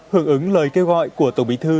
hưởng ứng lời kêu gọi của tổng bí thư